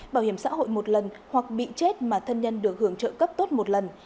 bảo hiểm xã hội một lần hoặc bị chết mà thân nhân được hưởng trợ cấp tốt một lần